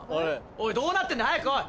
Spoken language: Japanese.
おいどうなってんだ早く来い！